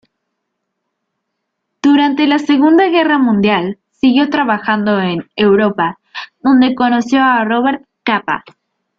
Durante la segunda guerra mundial siguió trabajando en Europa, donde conoció a Robert Capa.